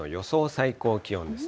最高気温です